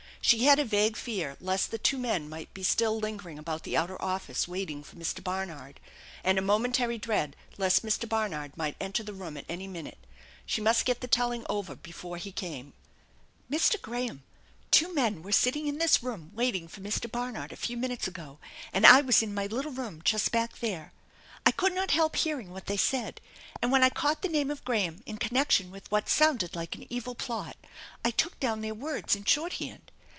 She had a vague fear lest the two men might be still lingering about the outer office, waiting for Mr. Barnard, and a momentary dread lest Mr. Barnard might enter the room at any minute. She must get the telling over before he came. " Mr. Graham, two men were sitting in this room waiting for Mr. Barnard a few minutes ago, and I was in my little room just back there. I could not help hearing what they said, and when I caught the name of Graham in connection with what sounded like an evil plot I took down their words in shorthand.